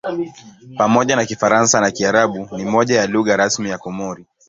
Pamoja na Kifaransa na Kiarabu ni moja ya lugha rasmi ya Komori.